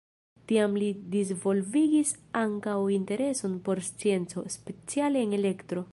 Tiam li disvolvigis ankaŭ intereson por scienco, speciale en elektro.